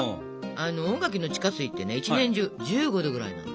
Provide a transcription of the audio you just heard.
大垣の地下水って一年中１５℃ぐらいなのよ。